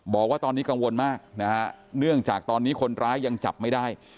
บอกว่าตอนนี้กังวลมากนะฮะเนื่องจากตอนนี้คนร้ายยังจับไม่ได้